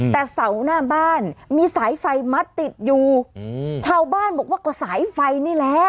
แต่เสาหน้าบ้านมีสายไฟมัดติดอยู่ชาวบ้านบอกว่าก็สายไฟนี่แหละ